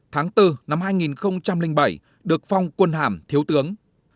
tháng bốn năm hai nghìn bảy được phong quân hàm thiếu tướng